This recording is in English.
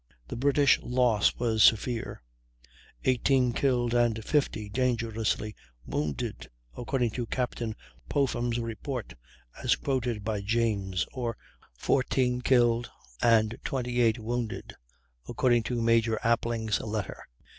The British loss was severe, 18 killed and 50 dangerously wounded, according to Captain Popham's report, as quoted by James; or "14 killed and 28 wounded," according to Major Appling's letter.